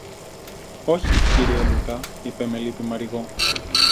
Όχι, κύριε Λουκά, είπε με λύπη η Μαριγώ